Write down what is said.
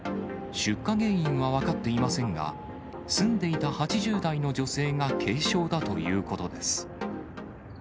出火原因は分かっていませんが、住んでいた８０代の女性が軽傷だということです。